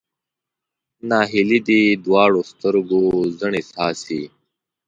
ناهیلي دې دواړو سترګو ځنې څاڅي